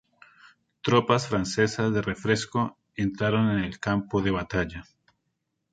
Tropas francesas de refresco entraron en el campo de batalla.